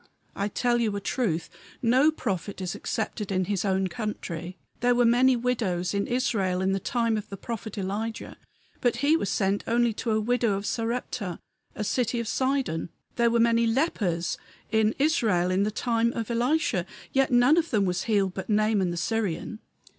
I tell you a truth; no prophet is accepted in his own country. There were many widows in Israel in the time of the prophet Elijah, but he was sent only to a widow of Sarepta, a city of Sidon. There were many lepers in Israel in the time of Elisha, yet none of them was healed but Naaman the Syrian."